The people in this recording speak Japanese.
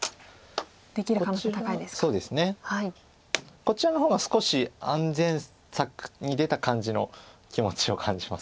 こちらの方が少し安全策に出た感じの気持ちを感じます。